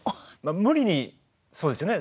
無理にそうですね